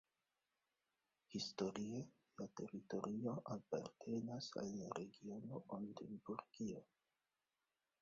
Historie la teritorio apartenas al la regiono Oldenburgio.